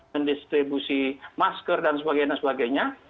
mendistribusi masker dan sebagainya sebagainya